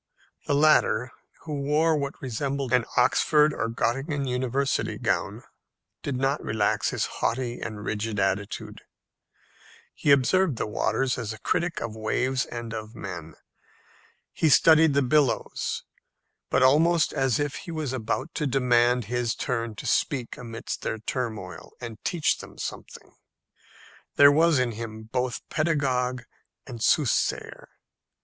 The latter, who wore what resembled an Oxford or Gottingen university gown, did not relax his haughty and rigid attitude. He observed the waters as a critic of waves and of men. He studied the billows, but almost as if he was about to demand his turn to speak amidst their turmoil, and teach them something. There was in him both pedagogue and soothsayer.